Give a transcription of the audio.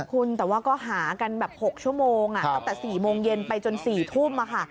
คุณแต่ว่าก็หากันแบบ๖ชั่วโมงตั้งแต่๔โมงเย็นไปจน๔ทุ่มค่ะ